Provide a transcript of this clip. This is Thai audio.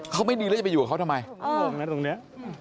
เขาไม่ดีแล้วจะไปอยู่กับเขาทำไม